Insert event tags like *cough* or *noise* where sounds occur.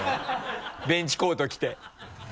ベンチコート着て *laughs*